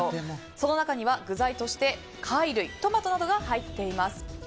その中には具材として貝類トマトなどが入っています。